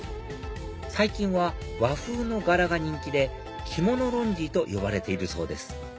最近は和風の柄が人気でキモノロンジーと呼ばれているそうです